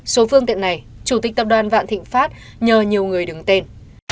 số phương tiện này chủ tịch tập đoàn vạn thịnh pháp nhờ nhiều người đứng tên